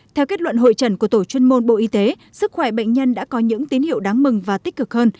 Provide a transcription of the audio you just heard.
theo kết luận hội trần của tổ chuyên môn bộ y tế sức khỏe bệnh nhân đã có những tín hiệu đáng mừng và tích cực hơn